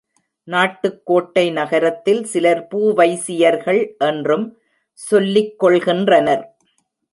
நாட்டுக்கோட்டை நகரத்தில் சிலர் பூவைசியர்கள் என்றும் சொல்லிக் கொள்கின்றனர்.